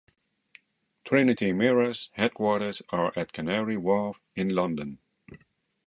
Trinity Mirror's headquarters are at Canary Wharf in London.